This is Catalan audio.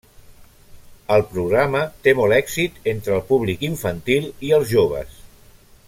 El programa té molt èxit entre el públic infantil i els joves.